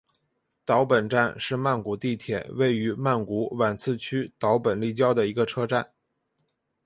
岛本站是曼谷地铁位于曼谷挽赐区岛本立交的一个车站。